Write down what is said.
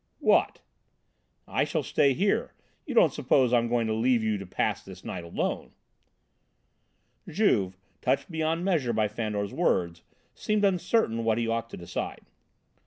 "What?" "I shall stay here. You don't suppose I'm going to leave you to pass this night alone?" Juve, touched beyond measure by Fandor's words, seemed uncertain what he ought to decide.